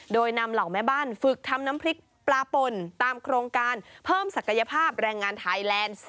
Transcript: โดยนำเหล่าแม่บ้านฝึกทำน้ำพริกปลาปนตามโครงการเพิ่มศักยภาพแรงงานไทยแลนด์